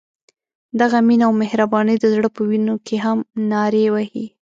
دغه مینه او مهرباني د زړه په وینو کې هم نارې وهي.